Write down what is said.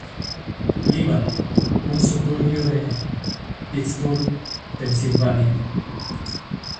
Líbano, un suburbio de Pittsburgh, Pennsylvania.